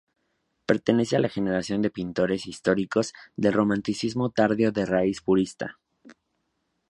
Pertenece a la generación de pintores históricos del romanticismo tardío de raíz purista.